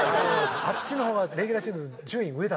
あっちの方がレギュラーシーズン順位上だったとか。